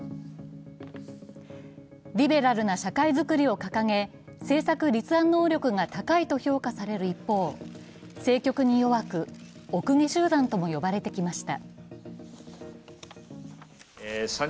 リベラルな社会作りを掲げ、政策立案能力が高いと評価される一方政局に弱く、お公家集団とも呼ばれてきました。